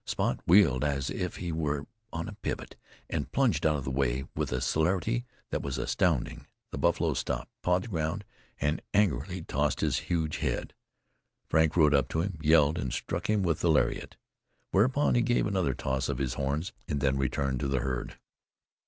Spot wheeled as if he were on a pivot and plunged out of the way with a celerity that was astounding. The buffalo stopped, pawed the ground, and angrily tossed his huge head. Frank rode up to him, yelled, and struck him with the lariat, whereupon he gave another toss of his horns, and then returned to the herd.